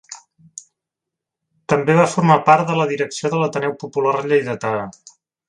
També va formar part de la direcció de l'Ateneu Popular Lleidatà.